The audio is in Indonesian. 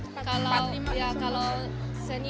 percayain rekor senior